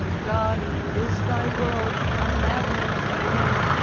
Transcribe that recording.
"God, is thy world a madman's dream?"